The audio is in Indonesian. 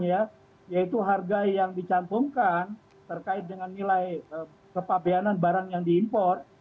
ya itu harga yang dicampungkan terkait dengan nilai kepabianan barang yang diimpor